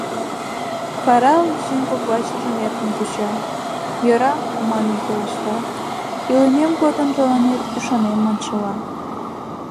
Вара Вачин кок вачыжым эркын куча, «йӧра» манын пелешта, илымем годым тыланет ӱшанем маншыла.